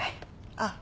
あっ。